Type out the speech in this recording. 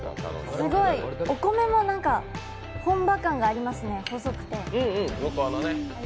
すごい、お米も本場感がありますね、細くて。